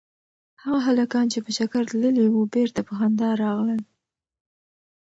هغه هلکان چې په چکر تللي وو بېرته په خندا راغلل.